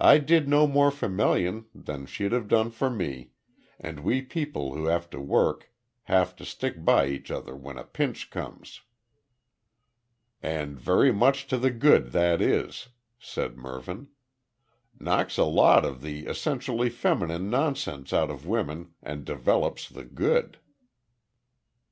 "I did no more for Melian than she'd have done for me, and we people who have to work have to stick by each other when a pinch comes." "And very much to the good that is," said Mervyn. "Knocks a lot of the essentially feminine nonsense out of women and develops the good."